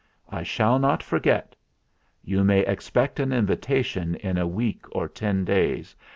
I shall not forget. You may expect an invita tion in a week or ten days.